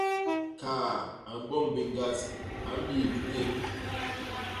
Kaa a mboñ biñgat, a mbiip ntén!